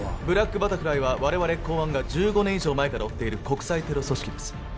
ブラックバタフライは我々公安が１５年以上前から追っている国際テロ組織です